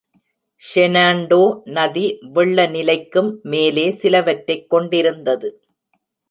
ஷெனாண்டோ நதி வெள்ள நிலைக்கும் மேலே சிலவற்றைக் கொண்டிருந்தது.